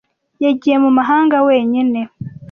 Yagiye mu mahanga wenyine.